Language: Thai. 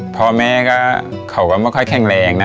พ่อแม่ก็เขาก็ไม่ค่อยแข็งแรงนะ